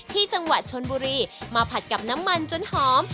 ที่จังหวัดชนบุรีมาผัดกับน้ำมันจนหอม